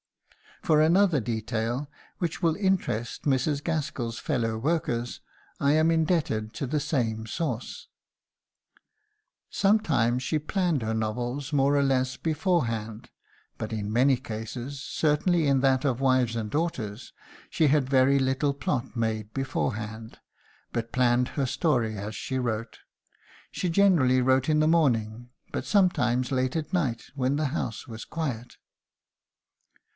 For another detail which will interest Mrs. Gaskell's fellow workers I am indebted to the same source: "Sometimes she planned her novels more or less beforehand, but in many cases, certainly in that of 'Wives and Daughters,' she had very little plot made beforehand, but planned her story as she wrote. She generally wrote in the morning, but sometimes late at night, when the house was quiet."